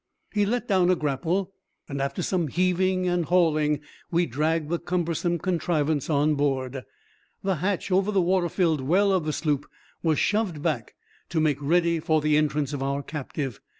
He let down a grapple, and after some heaving and hauling we dragged the cumbersome contrivance on board. The hatch over the water filled well of the sloop was shoved back to make ready for the entrance of our captive.